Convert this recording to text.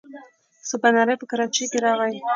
سباناری په کراچۍ کې راغی.